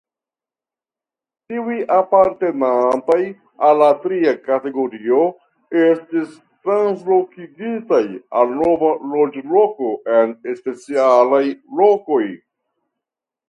Tiuj apartenantaj al la tria kategorio estis translokigitaj al nova loĝloko en specialaj lokoj.